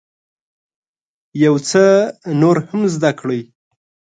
یو څه نور هم زده کړئ.